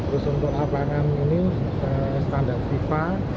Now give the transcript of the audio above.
terus untuk lapangan ini standar fifa